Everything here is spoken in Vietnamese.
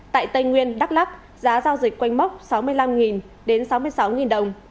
tại tây nguyên đắk lắk giá giao dịch quanh mốc sáu mươi năm sáu mươi sáu đồng